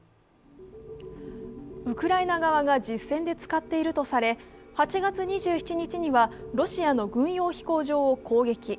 ウクライナ側が実戦で使っているとされ８月２７日にはロシアの軍用飛行場を攻撃。